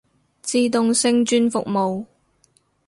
自動性轉服務